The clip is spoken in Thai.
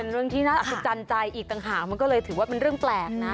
เรื่องที่น่าอัศจรรย์ใจอีกต่างหากมันก็เลยถือว่าเป็นเรื่องแปลกนะ